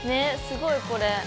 すごいこれ。